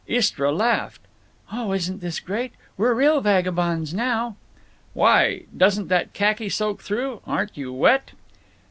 Istra laughed: "Oh, isn't this great! We're real vagabonds now." "Why! Doesn't that khaki soak through? Aren't you wet?"